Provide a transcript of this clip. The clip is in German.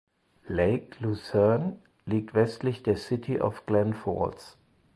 Lake Luzerne liegt westlich der City of Glens Falls.